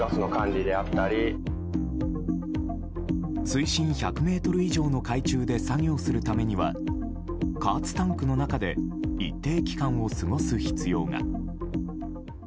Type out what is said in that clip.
水深１００ｍ以上の海中で作業するためには加圧タンクの中で一定期間を過ごす必要が。